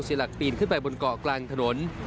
หลักปีนขึ้นไปบนเกาะกลางถนน